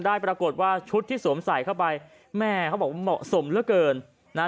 ปรากฏว่าชุดที่สวมใส่เข้าไปแม่เขาบอกว่าเหมาะสมเหลือเกินนะฮะ